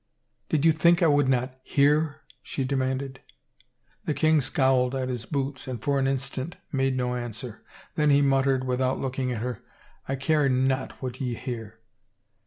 " Did you think I would not hear? " she demanded. The king scowled at his boots and for an instant made no answer. Then he muttered, without looking at her, " I care not what ye hear."